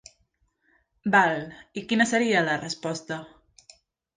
Val, i quina seria la resposta?